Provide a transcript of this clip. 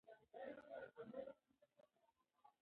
د ایران پوځ په ګلناباد کې ډېر تلفات ورکړل.